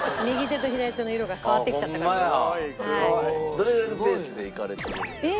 どれぐらいのペースで行かれてるんですか？